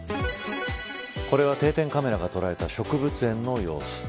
これは定点カメラが捉えた植物園の様子。